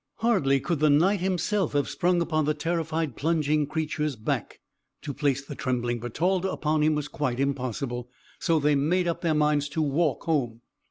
Hardly could the Knight himself have sprung upon the terrified plunging creature's back: to place the trembling Bertalda upon him was quite impossible; so they made up their minds to walk home.